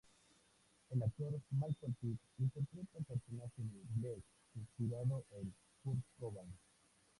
El actor Michael Pitt interpreta el personaje de Blake, inspirado en Kurt Cobain.